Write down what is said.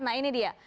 nah ini dia